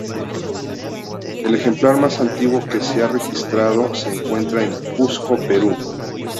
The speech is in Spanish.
El ejemplar más antiguo que se ha registrado se encuentra en Cuzco, Perú.